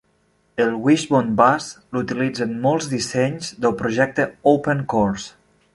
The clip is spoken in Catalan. El Wishbone Bus l'utilitzen molts dissenys del projecte OpenCores.